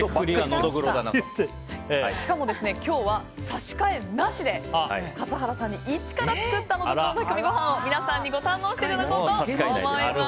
しかも今日は差し替えなしで笠原さんが、一から作ったノドグロの炊き込みご飯を皆さんにご堪能していただきたいと思います。